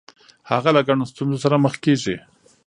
هغه له ګڼو ستونزو سره مخ کیږي.